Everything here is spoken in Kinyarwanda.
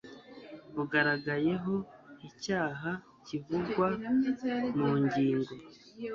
ugaragayeho icyaha kivugwa mu ngingo